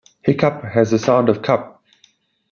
Hiccough has the sound of "cup"......